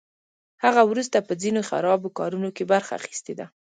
هغه وروسته په ځینو خرابو کارونو کې برخه اخیستې ده